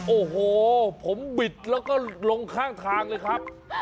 โอ้โหผมบิดแล้วก็ลงข้างทางเลยครับ